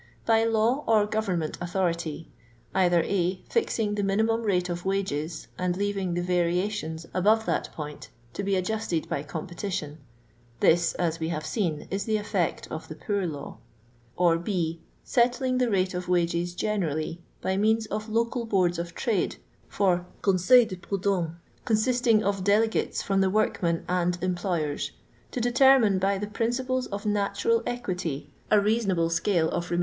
By law or government authority ; either (a) fixing the minimum rate of wages, and leaving the variations above that point to be adjusted by competition (this, as we have seen, is the effect of the poor law) ; or, (6) settling the rate of wages generally by means of local boards of trade for conseiU de prud'hommeSf consisting of delegates from the workmen and em ployers, to determine, by the principles of natural equity, a reatonabte scale of remu 2.